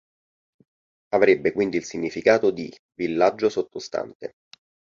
Avrebbe quindi il significato di "villaggio sottostante".